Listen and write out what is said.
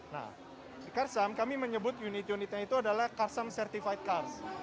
nah di karsam kami menyebut unit unitnya itu adalah karsam certified cars